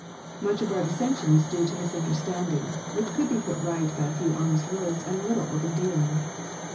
Much of our dissension is due to mis understanding, which could be put right by a few honest words and a little open dealing.